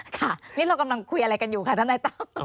ค่ะนี่เรากำลังคุยอะไรกันอยู่ค่ะทนายตั้ม